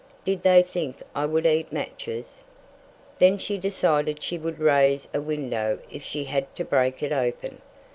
"Did they think I would eat matches?" Then she decided she would raise a window if she had to break it open.